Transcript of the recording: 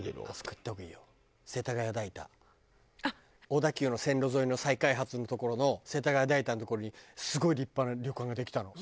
小田急の線路沿いの再開発の所の世田谷代田の所にすごい立派な旅館ができたの。